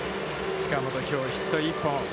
近本、きょうヒット１本。